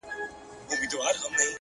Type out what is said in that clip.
مثبت ذهن بدلون ته چمتو وي